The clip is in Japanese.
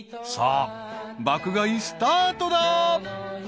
さあ爆買いスタートだ］